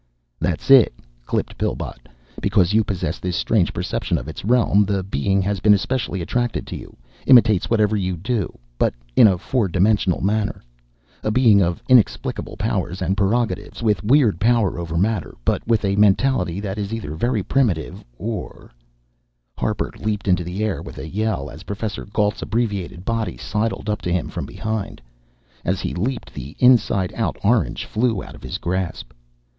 "That's it," clipped Pillbot. "Because you possess this strange perception of Its realm the Being has been especially attracted to you, imitates whatever you do, but in a four dimensional manner. A Being of inexplicable powers and prerogatives, with weird power over matter, but with a mentality that is either very primitive, or " Harper leaped into the air with a yell, as Professor Gault's abbreviated body sidled up to him from behind. As he leaped, the inside out orange flew out of his grasp.